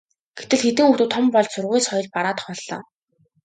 гэтэл хэдэн хүүхдүүд том болж сургууль соёл бараадах боллоо.